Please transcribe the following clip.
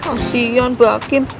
oh sian mbak kim